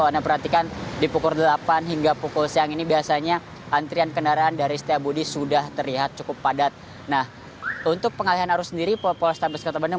dari setiap budi sudah terlihat cukup padat nah untuk pengalihan arus sendiri populasi kota bandung